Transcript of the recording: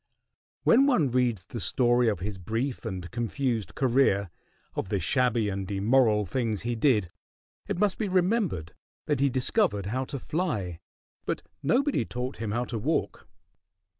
When one reads the story of his brief and confused career, of the shabby and immoral things he did, it must be remembered that he discovered how to fly, but nobody taught him how to walk.